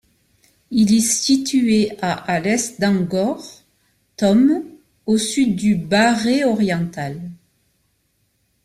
Il est situé à à l'est d'Angkor Thom, au sud du baray oriental.